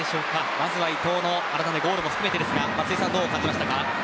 まずは伊東のゴールも含めて改めて、松井さんどう感じましたか？